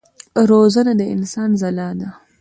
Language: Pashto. روزنه د انسان ځلا ده.